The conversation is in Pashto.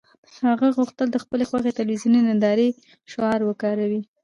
هغه غوښتل د خپلې خوښې تلویزیوني نندارې شعار وکاروي